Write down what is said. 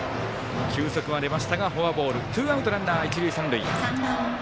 球速は出ましたがフォアボールツーアウト、ランナー、一塁三塁。